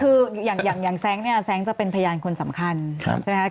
คืออย่างแซ้งแซ้งจะเป็นพยานคนสำคัญใช่ไหมครับ